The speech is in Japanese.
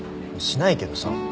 しないけどさ。